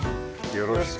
よろしく。